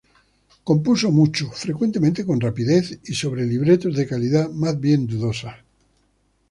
Compuso mucho, frecuentemente con rapidez y sobre libretos de calidad más bien dudosa.